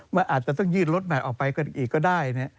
มันอาจจะต้องยืดรถใหม่ออกไปกันอีกก็ได้